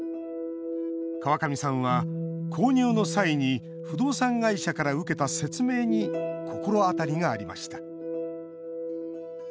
川上さんは購入の際に不動産会社から受けた説明に心当たりがありました。